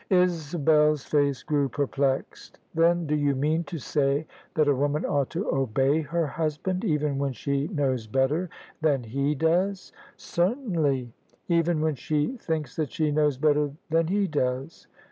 Isabel's face grew perplexed. "Then do you mean to say that a woman ought to obey her husband even when she knows better than he does?" " Certainly: even when she thinks that she knows better than he does."